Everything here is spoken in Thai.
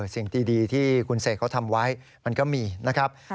สิ่งดีที่คุณเสกเขาทำไว้มันก็มีนะครับ